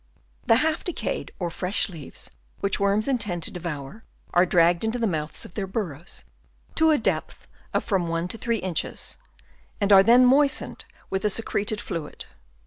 * The half decayed or fresh leaves which worms intend to devour, are dragged into the mouths of their burrows to a depth of from one to three inches, and are then moistened with a secreted fluid.